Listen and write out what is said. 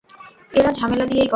ওরা ঝামেলা দিয়েই গড়া।